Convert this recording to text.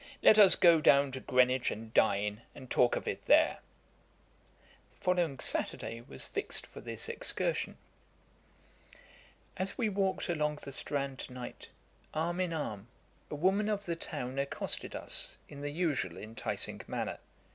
Let us go down to Greenwich and dine, and talk of it there.' The following Saturday was fixed for this excursion. As we walked along the Strand to night, arm in arm, a woman of the town accosted us, in the usual enticing manner.